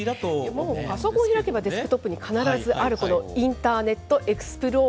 もうパソコン開けばデスクトップに必ずあるこのインターネッ